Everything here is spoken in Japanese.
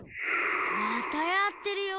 またやってるよ。